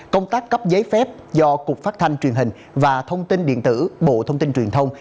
công tác cấp giấy phép do cục phát thanh truyền hình và thông tin điện tử bộ thông tin truyền thông